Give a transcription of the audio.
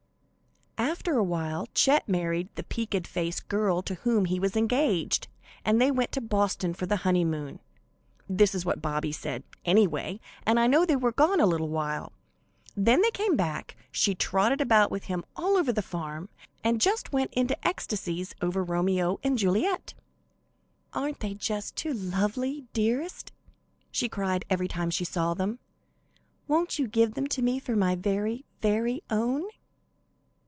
After awhile Chet married the peaked faced girl to whom he was engaged, and they went to Boston for the honeymoon. This is what Bobby said, anyway, and I know they were gone a little while. When they came back she trotted about with him all over the farm, and just went into ecstasies over Romeo and Juliet. "Aren't they just too lovely, dearest?" she cried every time she saw them. "Won't you give them to me for my very, very own?"